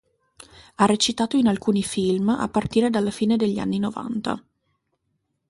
Ha recitato in alcuni film, a partire dalla fine degli anni novanta.